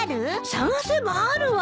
探せばあるわよ。